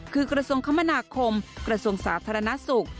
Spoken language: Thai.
คือกระทรวงคมนาคมกระทรวงสาธารณสุข